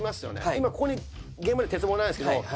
今ここに現場に鉄棒ないですけど。